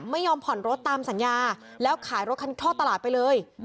ไม่ยอมผ่อนรถตามสัญญาแล้วขายรถคันท่อตลาดไปเลย